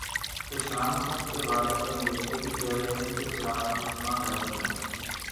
سشانت سنگھ کے والد نے بیٹے کی گرل فرینڈ کےخلاف مقدمہ کردیا